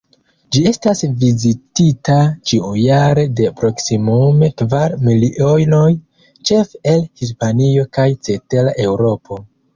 Ĝi estas vizitita ĉiujare de proksimume kvar milionoj, ĉefe el Hispanio kaj cetera Eŭropo.